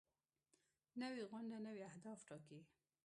نوې غونډه نوي اهداف ټاکي